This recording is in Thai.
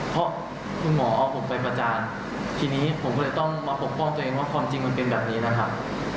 เพราะคุณหมอเอาผมไปประจานทีนี้ผมก็เลยต้องมาปกป้องตัวเองว่าความจริงมันเป็นแบบนี้นะครับ